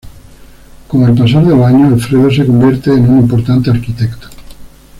Con el pasar de los años, Alfredo se convierte en un importante arquitecto.